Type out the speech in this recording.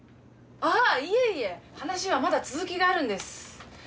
ああいえいえ話はまだ続きがあるんです。